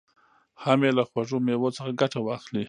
هم یې له خوږو مېوو څخه ګټه واخلي.